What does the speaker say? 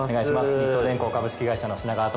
日東電工株式会社の品川と申します。